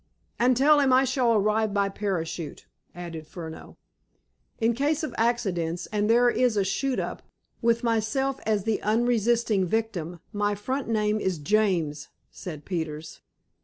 "And tell him I shall arrive by parachute," added Furneaux. "In case of accidents, and there is a shoot up, with myself as the unresisting victim, my front name is James," said Peters.